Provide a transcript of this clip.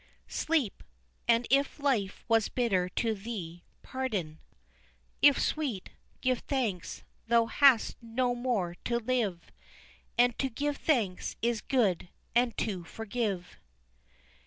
"Sleep; and if life was bitter to thee, pardon, If sweet, give thanks; thou hast no more to live; And to give thanks is good, and to forgive."